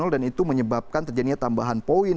dan itu menyebabkan terjadinya tambahan poin